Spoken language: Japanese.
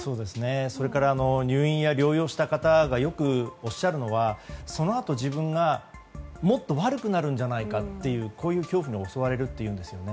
それから入院や療養した方がよくおっしゃるのはそのあと、自分がもっと悪くなるんじゃないかという恐怖に襲われるっていうんですよね。